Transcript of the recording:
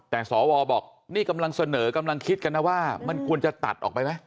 แต่สวบอกนี่กำลังเสนอกำลังคิดกันนะว่ามันควรจะตัดออกไปไหม